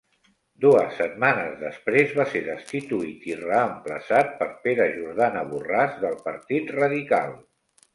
Dues setmanes després va ser destituït i reemplaçat per Pere Jordana Borràs del Partit Radical.